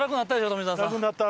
富澤：楽になった。